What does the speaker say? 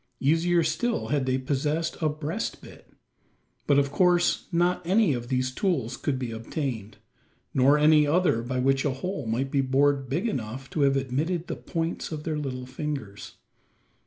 Easier still had they possessed a "breast bit." But of course not any of these tools could be obtained; nor any other by which a hole might be bored big enough to have admitted the points of their little fingers.